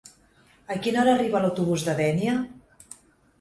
A quina hora arriba l'autobús de Dénia?